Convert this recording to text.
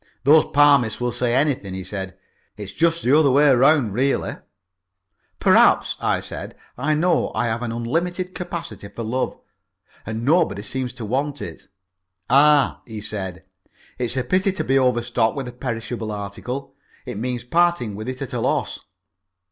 "Those palmists will say anything," he said. "It's just the other way round really." "Perhaps," I said. "I know I have an unlimited capacity for love and nobody seems to want it." "Ah," he said, "it's a pity to be overstocked with a perishable article. It means parting with it at a loss."